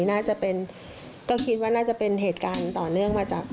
น่าจะเป็นก็คิดว่าน่าจะเป็นเหตุการณ์ต่อเนื่องมาจาก